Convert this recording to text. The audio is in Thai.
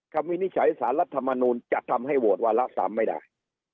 ความวินิจฉัยศาสตร์รัฐธรรมนูลจะทำให้โหวตว่ารักษามไม่ได้